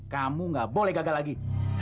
kamu gak boleh gagal lagi